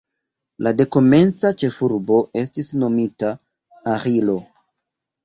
La dekomenca ĉefurbo estis nomita Aĥilo.